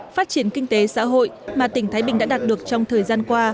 phát triển kinh tế xã hội mà tỉnh thái bình đã đạt được trong thời gian qua